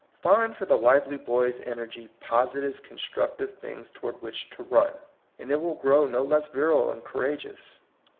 Find for the lively boy's energy positive con structive things toward which to run, and it will grow no less virile and courageous.